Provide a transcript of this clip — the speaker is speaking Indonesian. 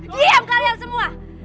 diam kalian semua